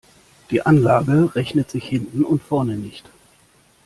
Die Anlage rechnet sich hinten und vorne nicht.